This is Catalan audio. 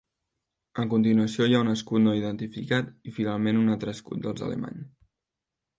A continuació hi ha un escut no identificat i finalment un altre escut dels Alemany.